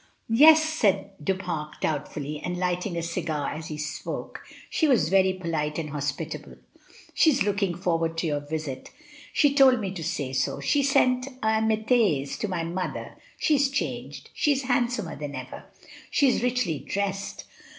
"Yes," said Du Pare, doubtfully, and lighting a cigar as he spoke. "She was very polite and hos pitable (puff), she is looking forward to your visit (puff, puff), she told me to say so; she sent amitiis to my mother (puff); she is changed — she is hand somer than ever; she is richly dressed.